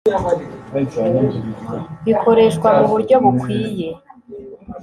bikoreshwa mu buryo bukwiye